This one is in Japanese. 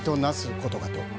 ことかと。